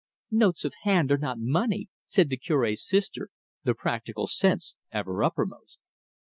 "Notes of hand are not money," said the Cure's sister, the practical sense ever uppermost.